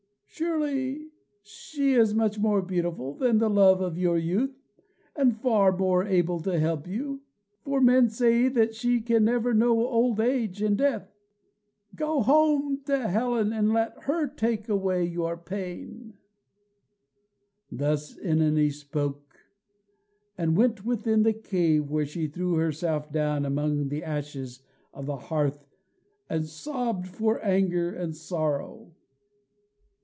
Surely she is much more beautiful than the love of your youth, and far more able to help you, for men say that she can never know old age and death. Go home to Helen and let her take away your pain." Thus OEnone spoke, and went within the cave, where she threw herself down among the ashes of the hearth and sobbed for anger and sorrow.